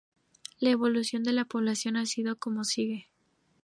La evolución de la población ha sido como sigue.